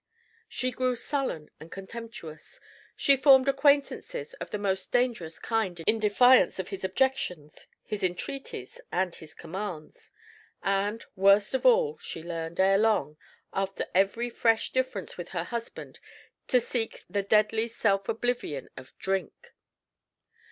She grew sullen and contemptuous; she formed acquaintances of the most dangerous kind in defiance of his objections, his entreaties, and his commands; and, worst of all, she learned, ere long, after every fresh difference with her husband, to seek the deadly self oblivion of drink.